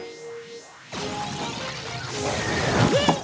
えっ！？